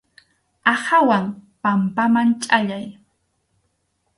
Aqhawan pampaman chʼallay.